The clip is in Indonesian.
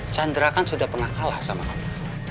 chandra kan sudah pernah kalah sama kami